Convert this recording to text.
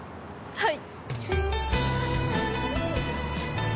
はい。